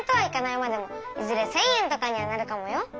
いまでもいずれ１，０００円とかにはなるかもよ。